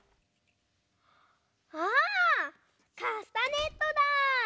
あカスタネットだ！